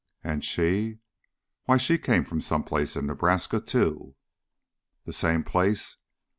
"And she?" "Why, she came from some place in Nebraska too!" "The same place?"